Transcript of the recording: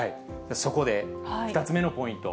そこで、２つ目のポイント。